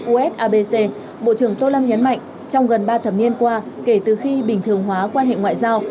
usabc bộ trưởng tô lâm nhấn mạnh trong gần ba thập niên qua kể từ khi bình thường hóa quan hệ ngoại giao